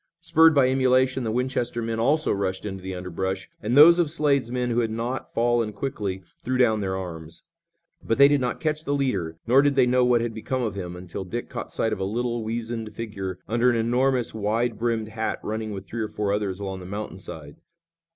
Spurred by emulation the Winchester men also rushed into the underbrush, and those of Slade's men who had not fallen quickly threw down their arms. But they did not catch the leader, nor did they know what had become of him, until Dick caught sight of a little, weazened figure under an enormous wide brimmed hat running with three or four others along the mountain side.